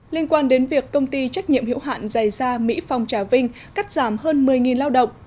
liên quan đến việc công ty trách nhiệm hiệu hạn dày gia mỹ phong trà vinh cắt giảm hơn một mươi lao động